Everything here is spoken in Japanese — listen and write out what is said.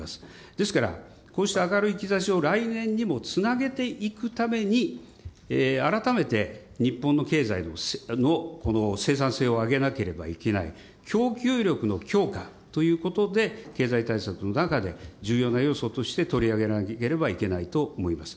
ですからこうした明るい兆しを来年にもつなげていくために、改めて日本の経済の生産性を上げなければいけない、供給力の強化ということで、経済対策の中で重要な要素として取り上げなければいけないと思います。